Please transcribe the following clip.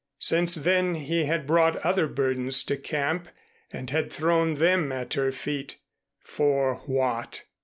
Since then he had brought other burdens to camp and had thrown them at her feet, for what?